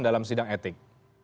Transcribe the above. untuk sidang etik